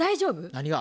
何が？